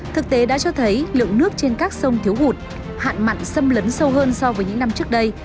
thực tế đã cho thấy lượng nước trên các sông thiếu hụt hạn mặn xâm lấn sâu hơn so với những năm trước đây